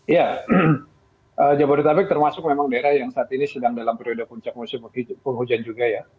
ya jabodetabek termasuk memang daerah yang saat ini sedang dalam periode puncak musim penghujan juga ya